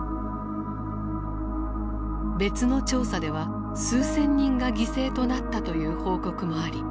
別の調査では数千人が犠牲となったという報告もあり